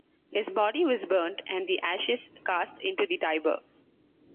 His body was burnt and the ashes cast into the Tiber.